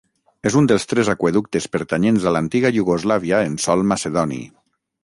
És un dels tres aqüeductes pertanyents a l'antiga Iugoslàvia en sòl macedoni.